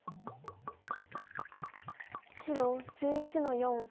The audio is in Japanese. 白１１の四。